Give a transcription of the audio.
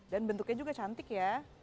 dan bentuknya juga cantik ya